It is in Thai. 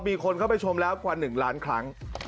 มีคนเข้าไปชมแล้วกว่า๑ล้านครั้ง